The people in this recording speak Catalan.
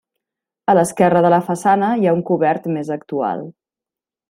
A l'esquerra de la façana hi ha un cobert més actual.